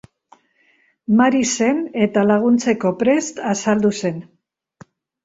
Mari zen eta laguntzeko prest azaldu zen.